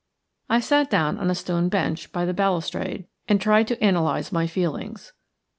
I sat down on a stone bench by the balustrade and tried to analyze my feelings.